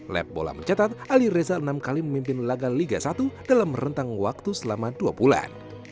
lab bola mencatat ali reza enam kali memimpin laga liga satu dalam rentang waktu selama dua bulan